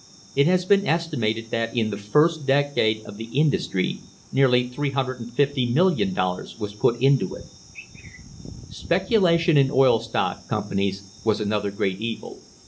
It has been estimated that in the first decade of the industry nearly $350,000,000 was put into it. Speculation in oil stock companies was another great evil.